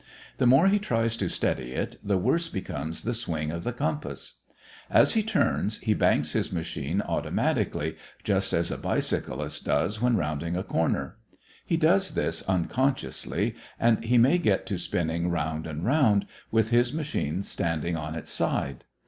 The more he tries to steady it, the worse becomes the swing of the compass. As he turns he banks his machine automatically, just as a bicyclist does when rounding a corner. He does this unconsciously, and he may get to spinning round and round, with his machine standing on its side.